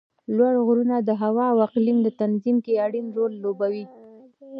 لوړ غرونه د هوا او اقلیم تنظیم کې اړین رول لوبوي